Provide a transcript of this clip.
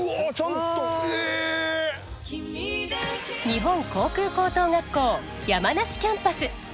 日本航空高等学校山梨キャンパス。